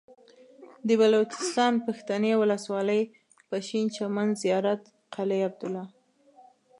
د بلوچستان پښتنې ولسوالۍ پشين چمن زيارت قلعه عبدالله